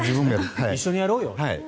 一緒にやろうよと。